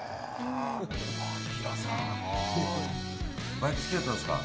バイク好きだったんですか。